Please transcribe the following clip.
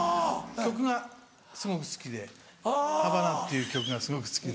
曲がすごく好きで『ハバナ』っていう曲がすごく好きで。